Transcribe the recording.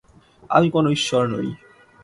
আমি কোনো ঈশ্বর নই।